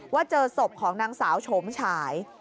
เจอศพของนางสาวโฉมฉาย